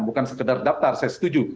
bukan sekedar daftar saya setuju